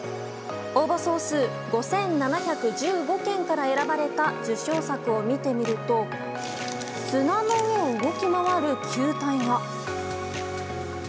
応募総数５７１５件から選ばれた受賞作を見てみると砂の上を動き回る球体が。